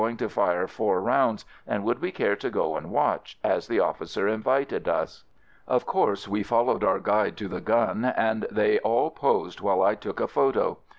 64 AMERICAN AMBULANCE to fire four rounds and would we care to go and watch, as the officer invited us? Of course we followed our guide to the gun and they all posed while I took a photo!